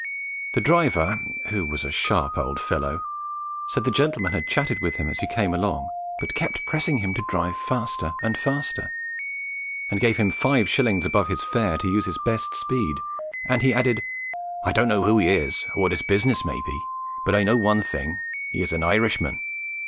The driver, who was a sharp old fellow, said the gentleman had chatted with him as he came along, but kept pressing him to drive faster and faster, and gave him five shillings above his fare to use his best speed, and he added: 'I don't know who he is, or what his business may be, but I know one thing he is an Irishman.